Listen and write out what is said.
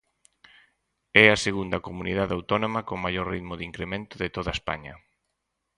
É a segunda comunidade autónoma con maior ritmo de incremento de toda España.